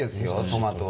トマトは。